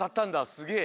すげえ。